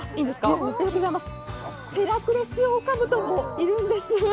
ヘラクレスオオカブトもいるんです。